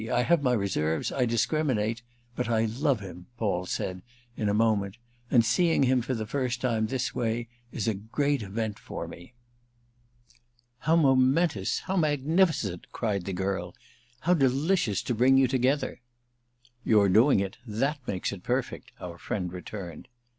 I have my reserves, I discriminate—but I love him," Paul said in a moment. "And seeing him for the first time this way is a great event for me." "How momentous—how magnificent!" cried the girl. "How delicious to bring you together!" "Your doing it—that makes it perfect," our friend returned.